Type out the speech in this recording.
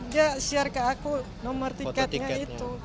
dia share ke aku nomor tiketnya itu